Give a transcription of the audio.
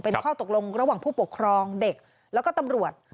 เป็นข้อตกลงระหว่างผู้ปกครองเด็กแล้วก็ตำรวจ